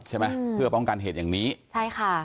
ใช่ไหมเพื่อป้องกันเหตุอย่างนี้ใช่ค่ะ